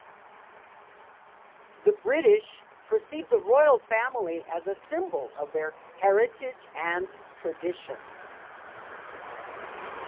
The British perceive the royal family as a symbol of their heritage and tradition.